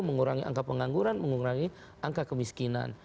mengurangi angka pengangguran mengurangi angka kemiskinan